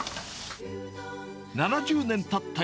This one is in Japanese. ７０年たった